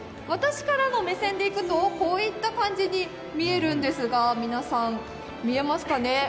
私からの目線でいくとこういった感じに見えるんですが、皆さん、見えますかね？